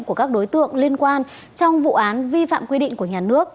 của các đối tượng liên quan trong vụ án vi phạm quy định của nhà nước